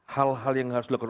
hal hal yang harus dilakukan